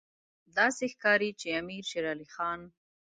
داسې ښکاري چې امیر شېر علي خان.